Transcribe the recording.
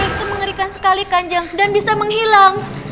itu mengerikan sekali kanjeng dan bisa menghilang